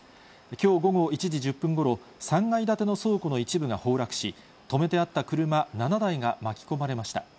きょう午後１時１０分ごろ、３階建ての倉庫の一部が崩落し、止めてあった車７台が巻き込まれました。